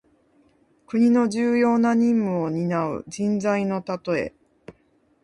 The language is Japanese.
国の重要な任務をになう人材のたとえ。